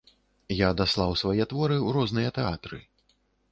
Я даслаў свае творы ў розныя тэатры.